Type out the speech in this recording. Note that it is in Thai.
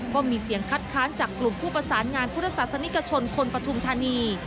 ก็มีเสียงคัดค้านจากกลุ่มผู้ประสานงานพุทธศาสนิกชนคนปฐุมธานี